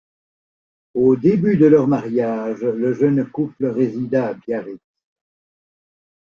Au début de leur mariage, le jeune couple résida à Biarritz.